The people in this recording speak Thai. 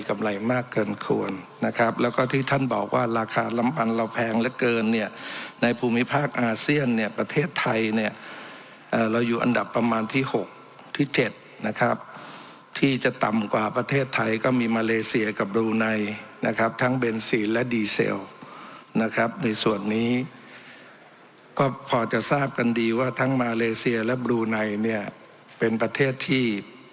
มากเกินควรนะครับแล้วก็ที่ท่านบอกว่าราคาลำพันธ์เราแพงเหลือเกินเนี่ยในภูมิภาคอาเซียนเนี่ยประเทศไทยเนี่ยเราอยู่อันดับประมาณที่๖ที่๗นะครับที่จะต่ำกว่าประเทศไทยก็มีมาเลเซียกับบลูไนนะครับทั้งเบนซีนและดีเซลนะครับในส่วนนี้ก็พอจะทราบกันดีว่าทั้งมาเลเซียและบลูไนเนี่ยเป็นประเทศที่